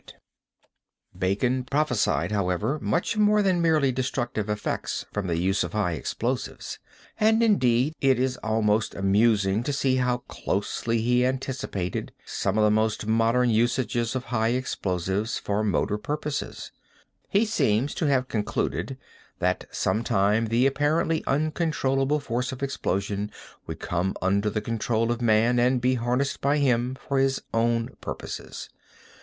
RATHHAUS (TANGERMÜNDE) Bacon prophesied, however, much more than merely destructive effects from the use of high explosives, and indeed it is almost amusing to see how closely he anticipated some of the most modern usages of high explosives for motor purposes. He seems to have concluded that some time the apparently uncontrollable forces of explosion would come under the control of man and be harnessed by him for his own purposes.